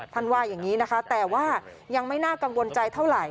ว่าอย่างนี้นะคะแต่ว่ายังไม่น่ากังวลใจเท่าไหร่